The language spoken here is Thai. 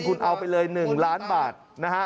คุณเอาไปเลย๑ล้านบาทนะฮะ